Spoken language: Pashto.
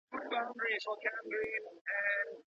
هغوی د ناسمو خبرو تائيد نه کوي.